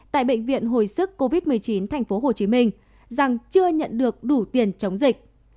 tại bệnh viện hồi sức covid một mươi chín tp hcm rằng chưa nhận được đủ tiền chống dịch